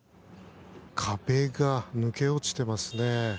壁が抜け落ちていますね。